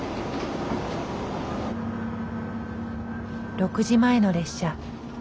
６時前の列車。